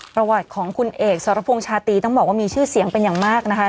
ประวัติของคุณเอกสรพงษ์ชาตรีต้องบอกว่ามีชื่อเสียงเป็นอย่างมากนะคะ